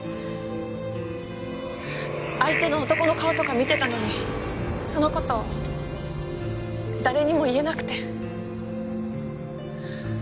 相手の男の顔とか見てたのにその事誰にも言えなくて。